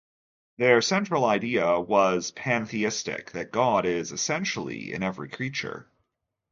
Their central idea was pantheistic, that God is essentially in every creature.